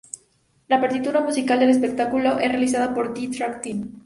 La partitura musical del espectáculo es realizado por the Track Team.